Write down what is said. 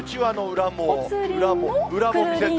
裏も、裏も見せて。